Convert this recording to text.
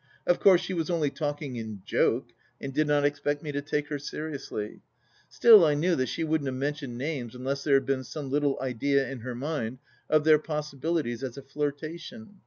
Of course she was only talking in joke and did not expect me to take her seriously. Still I knew that she wouldn't have mentioned names unless there had been some little idea in her mind of their possibilities as a flirta tion.